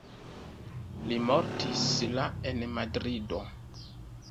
Li mortis la en Madrido.